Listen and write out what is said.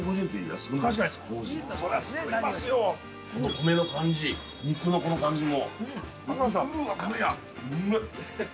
米の感じ、肉のこの感じも。